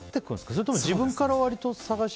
それとも自分から探して。